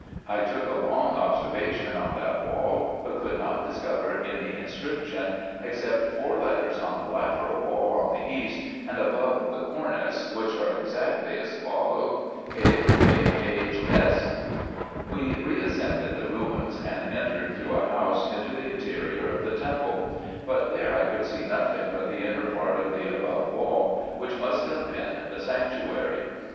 I took a long observation on that wall, but could not discover any inscription, except four letters on the lateral wall on the east, and above the cornice, which are exactly as follow : E • P • H • S • We reascended the ruins, and entered through a house into the interior of the temple ; but there I could see nothing but the inner part of the above wall, which must have been the sanctuary.